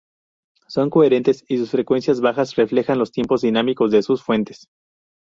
Son coherentes y sus frecuencias bajas reflejan los tiempos dinámicos de sus fuentes.